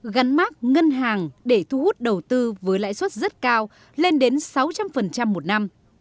gắn mát ngân hàng để thu hút đầu tư với lãi suất rất cao lên đến sáu trăm linh một năm